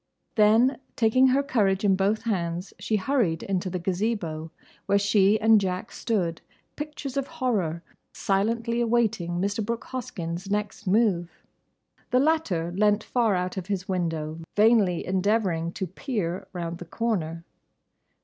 Then taking her courage in both hands she hurried into the Gazebo, where she and Jack stood, pictures of horror, silently awaiting Mr. Brooke Hoskyn's next move. The latter leant far out of his window vainly endeavouring to peer round the corner.